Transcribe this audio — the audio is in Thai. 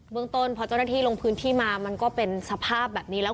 เมืองต้นพอเจ้าหน้าที่ลงพื้นที่มามันก็เป็นสภาพแบบนี้แล้ว